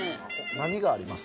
何があります？